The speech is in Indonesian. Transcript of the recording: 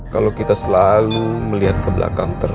kalau kita selalu melihat ke belakang